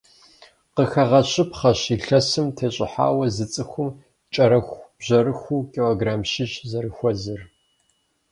Къыхэгъэщыпхъэщ, илъэсым тещӏыхьауэ зы цӏыхум кӏэрыхубжьэрыхуу килограмм щищ зэрыхуэзэр.